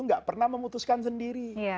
enggak pernah memutuskan sendiri